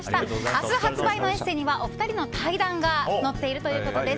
明日発売の「ＥＳＳＥ」にはお二人の対談が載っているということです。